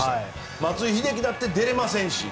松井秀喜だって出れませんし。